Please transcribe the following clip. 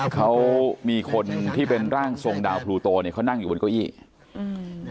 เขามีคนที่เป็นร่างทรงดาวพลูโตเนี้ยเขานั่งอยู่บนเก้าอี้อืม